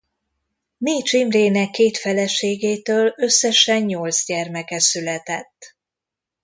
Mécs Imrének két feleségétől összesen nyolc gyermeke született.